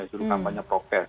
juru kampanye prokes